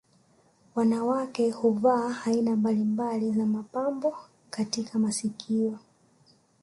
Wanawake huvaa aina mbalimbali za mapambo katika masikio